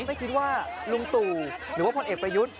ไม่คิดว่าลุงตู่หรือว่าพลเอกประยุทธ์